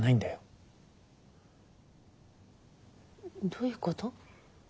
どういうこと？